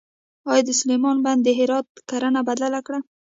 آیا د سلما بند د هرات کرنه بدله کړه؟